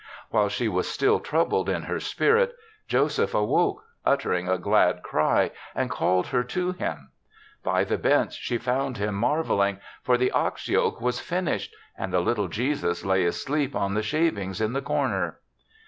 While she was still troubled in her spirit, Joseph awoke, uttering a glad cry, and called her to him. By the bench she found him marveling, for the ox yoke was finished and the lit tle Jesus lay asleep on the shavings in the corner.